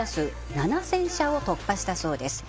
７０００社を突破したそうです